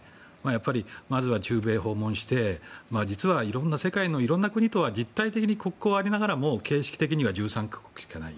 やっぱりまずは中米を訪問して実は、世界のいろんな国とは実態的に国交はありながらも形式的には１３か国しかない。